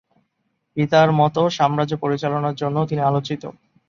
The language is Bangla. পিতার মত সাম্রাজ্য পরিচালনার জন্যও তিনি আলোচিত।